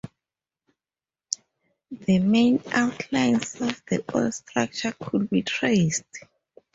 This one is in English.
The main outlines of the old structure could be traced.